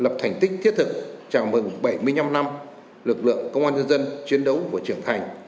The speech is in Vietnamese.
lập thành tích thiết thực chào mừng bảy mươi năm năm lực lượng công an nhân dân chiến đấu và trưởng thành